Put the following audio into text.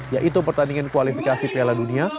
yaitu pertandingan kualifikasi piala dunia